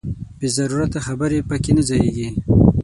بې ضرورته خبرې پکې نه ځاییږي.